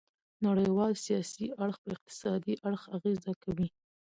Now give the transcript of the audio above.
نړیوال سیاسي اړخ په اقتصادي اړخ اغیزه کوي